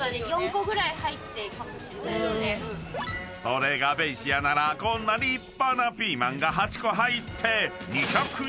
［それがベイシアならこんな立派なピーマンが８個入って］